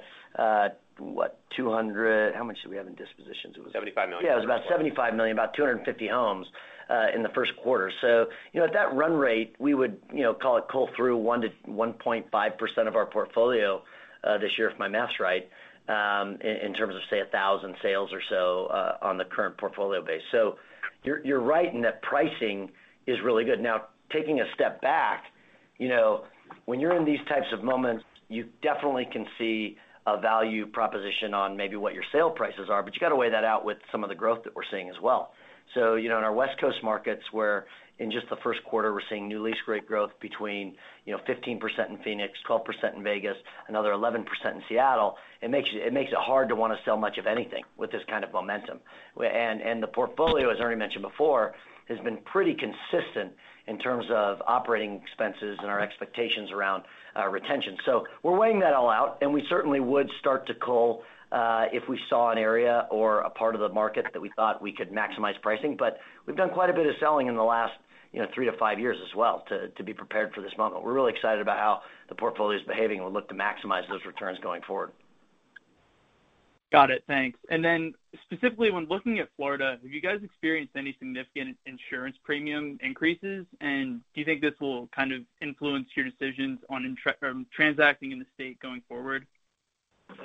what, how much did we have in dispositions? $75 million. Yeah, it was about $75 million, about 250 homes in the first quarter. At that run rate, we would cull through 1%-1.5% of our portfolio this year, if my math's right, in terms of, say, 1,000 sales or so on the current portfolio base. You're right in that pricing is really good. Now, taking a step back. When you're in these types of moments, you definitely can see a value proposition on maybe what your sale prices are, but you've got to weigh that out with some of the growth that we're seeing as well. In our West Coast markets, where in just the first quarter, we're seeing new lease rate growth between 15% in Phoenix, 12% in Vegas, another 11% in Seattle, it makes it hard to want to sell much of anything with this kind of momentum. The portfolio, as Ernie mentioned before, has been pretty consistent in terms of operating expenses and our expectations around retention. We're weighing that all out, and we certainly would start to cull if we saw an area or a part of the market that we thought we could maximize pricing. We've done quite a bit of selling in the last three to five years as well to be prepared for this moment. We're really excited about how the portfolio is behaving, and we'll look to maximize those returns going forward. Got it. Thanks. Specifically when looking at Florida, have you guys experienced any significant insurance premium increases? Do you think this will kind of influence your decisions on transacting in the state going forward?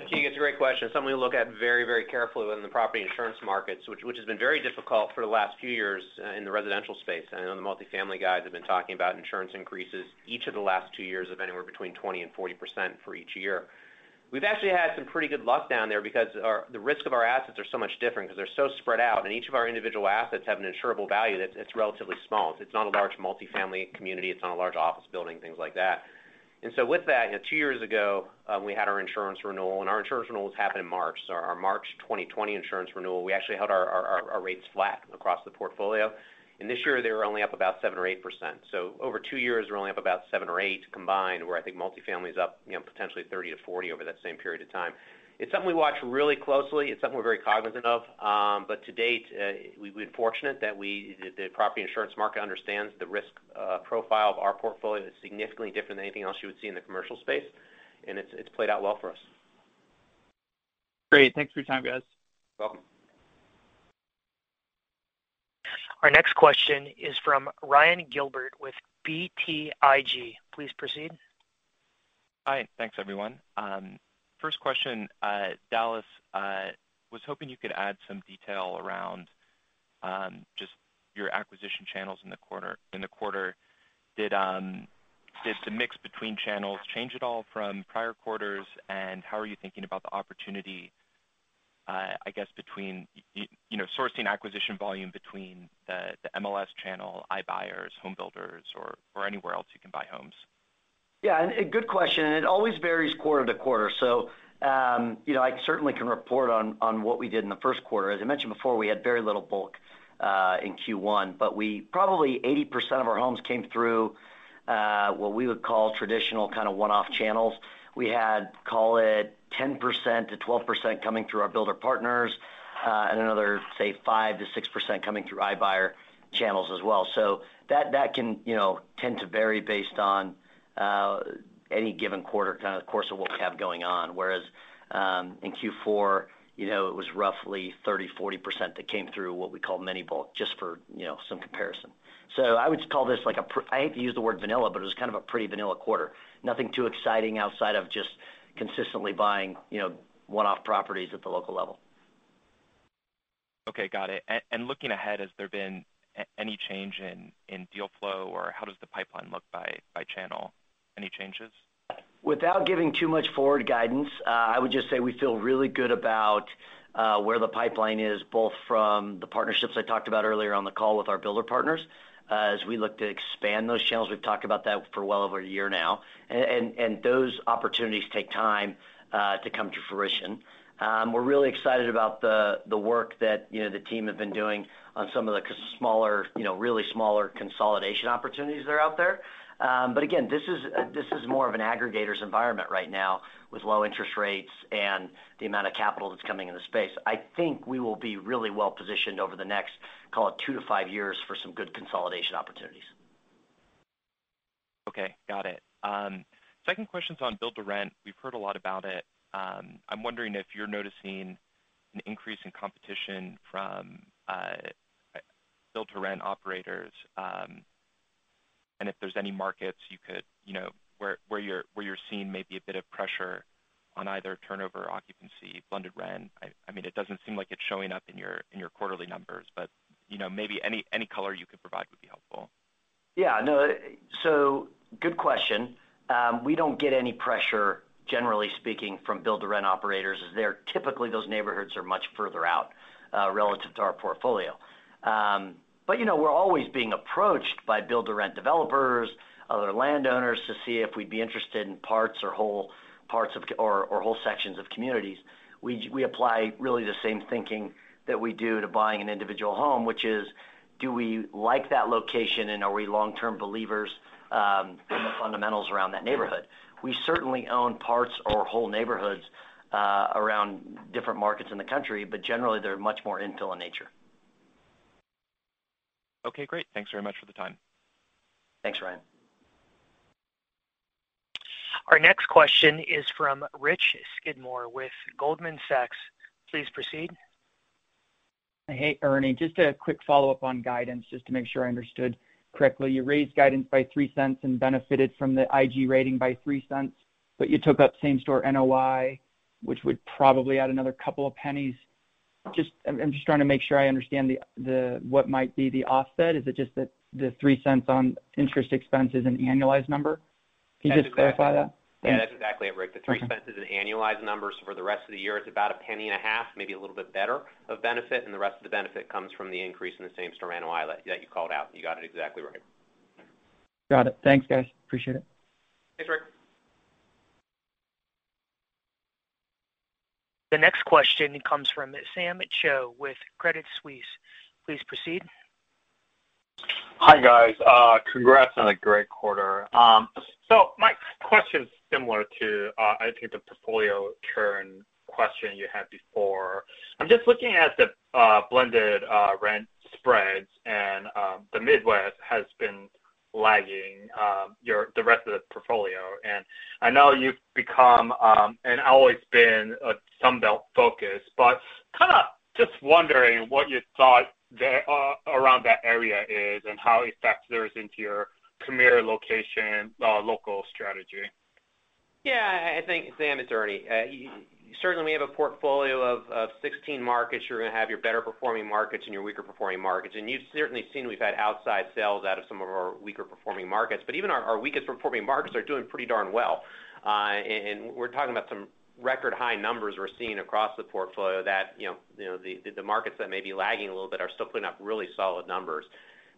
Keegan, it's a great question. It's something we look at very carefully within the property insurance markets, which has been very difficult for the last few years in the residential space. I know the multifamily guys have been talking about insurance increases each of the last two years of anywhere between 20% and 40% for each year. We've actually had some pretty good luck down there because the risk of our assets are so much different because they're so spread out, and each of our individual assets have an insurable value that's relatively small. It's not a large multifamily community, it's not a large office building, things like that. With that, two years ago, we had our insurance renewal, and our insurance renewals happen in March. Our March 2020 insurance renewal, we actually held our rates flat across the portfolio. This year, they were only up about 7% or 8%. Over two years, we're only up about 7% or 8% combined, where I think multifamily is up potentially 30%-40% over that same period of time. It's something we watch really closely. It's something we're very cognizant of. To date, we've been fortunate that the property insurance market understands the risk profile of our portfolio is significantly different than anything else you would see in the commercial space, and it's played out well for us. Great. Thanks for your time, guys. Welcome. Our next question is from Ryan Gilbert with BTIG. Please proceed. Hi. Thanks, everyone. First question. Dallas, was hoping you could add some detail around just your acquisition channels in the quarter. Did the mix between channels change at all from prior quarters? How are you thinking about the opportunity, I guess, between sourcing acquisition volume between the MLS channel, iBuyers, home builders, or anywhere else you can buy homes? Yeah, good question. It always varies quarter to quarter. I certainly can report on what we did in the first quarter. Probably 80% of our homes came through what we would call traditional kind of one-off channels. We had, call it, 10%-12% coming through our builder partners, and another, say, 5%-6% coming through iBuyer channels as well. That can tend to vary based on any given quarter, kind of the course of what we have going on. Whereas in Q4, it was roughly 30%, 40% that came through what we call mini bulk just for some comparison. I would call this like a, I hate to use the word vanilla, but it was kind of a pretty vanilla quarter. Nothing too exciting outside of just consistently buying one-off properties at the local level. Okay, got it. Looking ahead, has there been any change in deal flow, or how does the pipeline look by channel? Any changes? Without giving too much forward guidance, I would just say we feel really good about where the pipeline is, both from the partnerships I talked about earlier on the call with our builder partners. We look to expand those channels, we've talked about that for well over a year now. Those opportunities take time to come to fruition. We're really excited about the work that the team have been doing on some of the really smaller consolidation opportunities that are out there. Again, this is more of an aggregator's environment right now with low interest rates and the amount of capital that's coming in the space. I think we will be really well-positioned over the next, call it two to five years, for some good consolidation opportunities. Okay. Got it. Second question's on build to rent. We've heard a lot about it. I'm wondering if you're noticing an increase in competition from build-to-rent operators, and if there's any markets where you're seeing maybe a bit of pressure on either turnover or occupancy, blended rent. It doesn't seem like it's showing up in your quarterly numbers, maybe any color you could provide would be helpful. Yeah. No. Good question. We don't get any pressure, generally speaking, from build-to-rent operators as typically, those neighborhoods are much further out relative to our portfolio. We're always being approached by build-to-rent developers, other landowners, to see if we'd be interested in parts or whole sections of communities. We apply really the same thinking that we do to buying an individual home, which is, do we like that location, and are we long-term believers in the fundamentals around that neighborhood? We certainly own parts or whole neighborhoods around different markets in the country, but generally, they're much more infill in nature. Okay, great. Thanks very much for the time. Thanks, Ryan. Our next question is from Richard Skidmore with Goldman Sachs. Please proceed. Hey, Ernie. Just a quick follow-up on guidance, just to make sure I understood correctly. You raised guidance by $0.03 and benefited from the IG rating by $0.03, but you took up same-store NOI, which would probably add another $0.02. I'm just trying to make sure I understand what might be the offset. Is it just that the $0.03 on interest expense is an annualized number? Can you just clarify that? Yeah, that's exactly it, Rick. The $0.03 is an annualized number. For the rest of the year, it's about $0.015, maybe a little bit better, of benefit, and the rest of the benefit comes from the increase in the same store NOI that you called out. You got it exactly right. Got it. Thanks, guys. Appreciate it. Thanks, Rick. The next question comes from Sam Cho with Credit Suisse. Please proceed. Hi, guys. Congrats on a great quarter. My question's similar to, I think, the portfolio churn question you had before. I'm just looking at the blended rent spreads, the Midwest has been lagging the rest of the portfolio. I know you've become, always been, Sun Belt focused, kind of just wondering what your thought around that area is and how it factors into your premier location local strategy. Yeah, I think, Sam, it's Ernie. Certainly, we have a portfolio of 16 markets. You're going to have your better-performing markets and your weaker-performing markets. You've certainly seen we've had outside sales out of some of our weaker-performing markets. Even our weakest-performing markets are doing pretty darn well. We're talking about some record-high numbers we're seeing across the portfolio that the markets that may be lagging a little bit are still putting up really solid numbers.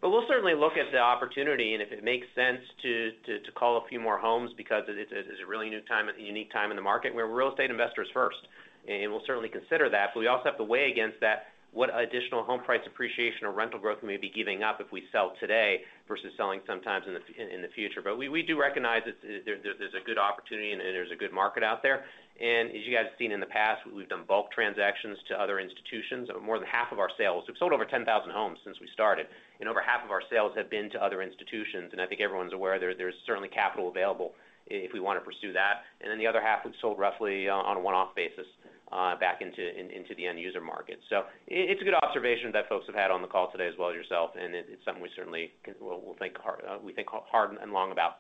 We'll certainly look at the opportunity, and if it makes sense to call a few more homes because it's a really unique time in the market. We're real estate investors first, and we'll certainly consider that. We also have to weigh against that what additional home price appreciation or rental growth we may be giving up if we sell today versus selling sometimes in the future. We do recognize there's a good opportunity and there's a good market out there. As you guys have seen in the past, we've done bulk transactions to other institutions. More than half of our sales. We've sold over 10,000 homes since we started, and over half of our sales have been to other institutions. I think everyone's aware there's certainly capital available if we want to pursue that. Then the other half, we've sold roughly on a one-off basis back into the end user market. It's a good observation that folks have had on the call today as well as yourself, and it's something we certainly will think hard and long about.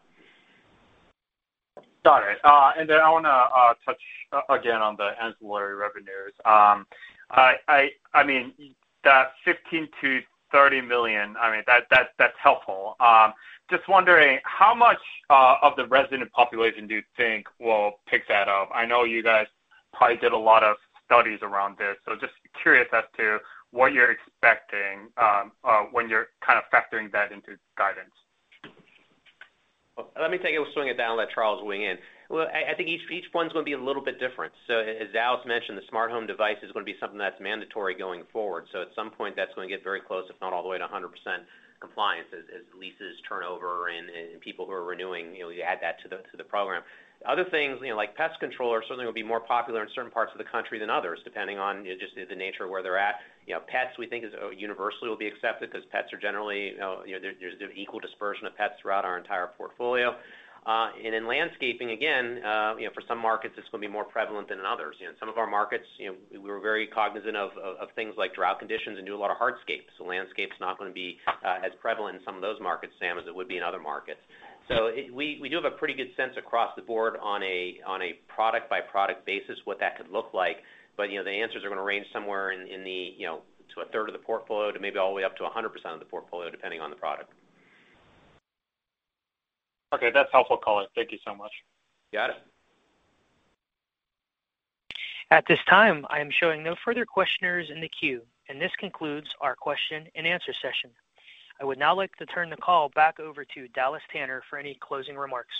Got it. I want to touch again on the ancillary revenues. That $15 million-$30 million, that's helpful. Just wondering, how much of the resident population do you think will pick that up? I know you guys probably did a lot of studies around this, so just curious as to what you're expecting when you're kind of factoring that into guidance. Let me take it, we'll swing it to Dallas and let Charles weigh in. Well, I think each one's going to be a little bit different. As Dallas mentioned, the smart home device is going to be something that's mandatory going forward. At some point, that's going to get very close, if not all the way to 100% compliance as leases turn over and people who are renewing, you add that to the program. Other things, like pest control, are certainly going to be more popular in certain parts of the country than others, depending on just the nature of where they're at. Pets, we think, universally will be accepted because pets are, there's equal dispersion of pets throughout our entire portfolio. In landscaping, again for some markets, it's going to be more prevalent than in others. In some of our markets, we're very cognizant of things like drought conditions and do a lot of hardscape. Landscape's not going to be as prevalent in some of those markets, Sam, as it would be in other markets. We do have a pretty good sense across the board on a product-by-product basis what that could look like. The answers are going to range somewhere to a third of the portfolio to maybe all the way up to 100% of the portfolio, depending on the product. Okay. That's helpful, Ernie. Thank you so much. Got it. At this time, I am showing no further questioners in the queue, and this concludes our question and answer session. I would now like to turn the call back over to Dallas Tanner for any closing remarks.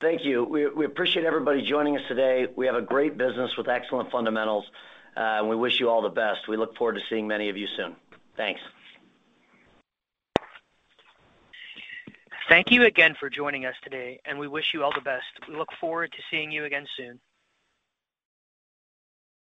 Thank you. We appreciate everybody joining us today. We have a great business with excellent fundamentals, and we wish you all the best. We look forward to seeing many of you soon. Thanks. Thank you again for joining us today, and we wish you all the best. We look forward to seeing you again soon.